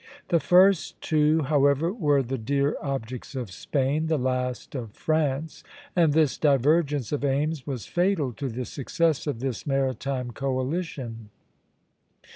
The first two, however, were the dear objects of Spain, the last of France; and this divergence of aims was fatal to the success of this maritime coalition.